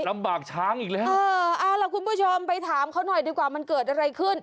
ลำบากช้างอีกแล้วเออเอาล่ะคุณผู้ชมไปถามเขาหน่อยดีกว่ามันเกิดอะไรขึ้น